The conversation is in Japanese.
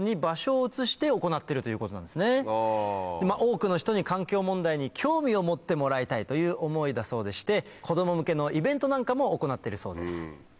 多くの人に環境問題に興味を持ってもらいたいという思いだそうでして子供向けのイベントなんかも行っているそうです。